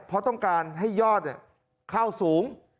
เพราะต้องการให้ยอดเข้าสูง